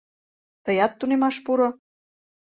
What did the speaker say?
— Тыят тунемаш пуро...